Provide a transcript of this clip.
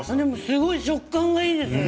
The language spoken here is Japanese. すごい食感がいいですね。